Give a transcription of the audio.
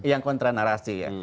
yang kontra narasi ya